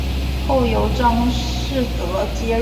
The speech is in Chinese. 后由张世则接任。